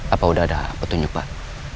apa udah ada petunjuk pak